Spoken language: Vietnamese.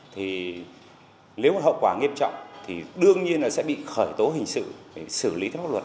thì nếu hậu quả nghiêm trọng thì đương nhiên là sẽ bị khởi tố hình sự để xử lý tháp luật